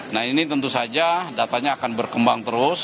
nah ini tentu saja datanya akan berkembang terus